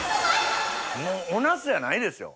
もうおナスじゃないですよ。